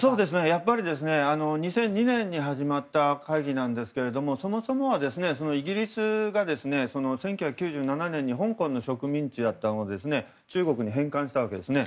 やっぱり、２００２年に始まった会議なんですがそもそもはイギリスが１９９７年に香港の植民地だったのを中国に返還したわけですね。